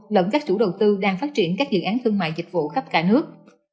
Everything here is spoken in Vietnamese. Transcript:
lẫn các chủ đầu tư đang phát triển các dự án thương mại dịch vụ khắp cả nước